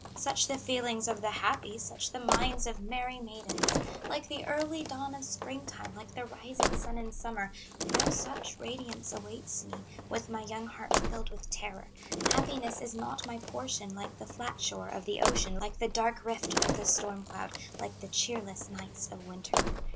"Such the feelings of the happy, Such the minds of merry maidens: Like the early dawn of spring time, Like the rising Sun in summer; No such radiance awaits me, With my young heart filled with terror; Happiness is not my portion, Like the flat shore of the ocean, Like the dark rift of the storm cloud, Like the cheerless nights of winter!